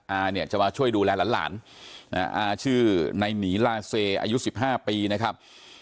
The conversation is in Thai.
อาเนี่ยจะมาช่วยดูแลหลานอาชื่อในหนีลาเซอายุ๑๕ปีนะครับ